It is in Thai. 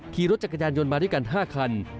ขี่รถจักรยานยนต์มาด้วยกัน๕คัน